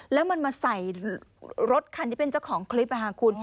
แล้วมันมาใส่รถคันที่เป็นเจ้าของคลิปค่ะคุณ